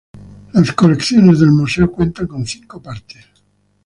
Las colecciones del museo cuentan con cinco partes.